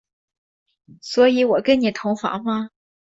所以我跟你同房吗？